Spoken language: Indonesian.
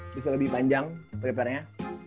bisa lebih panjang prepare nya